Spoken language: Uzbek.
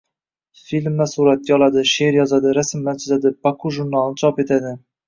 Filmlar suratga oladi, she’r yozadi, rasmlar chizadi, “Baku” jurnalini chop etadi